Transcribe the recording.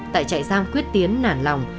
tại trại giam quyết tiến nản lòng